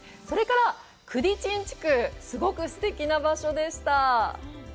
それから、クディチン地区、すごくすてきな場所でした。